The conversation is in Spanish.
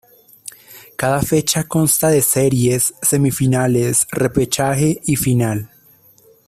Cada fecha consta de series, semifinales, repechaje y final.